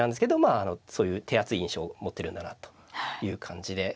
あのそういう手厚い印象を持ってるんだなという感じで。